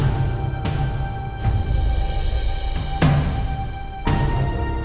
masa masa ini udah berubah